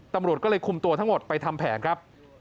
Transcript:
ตำรวจก็เลยคุมตัวทั้งหมดไปทำแผนครับ